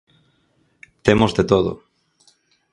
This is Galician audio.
Temos de todo.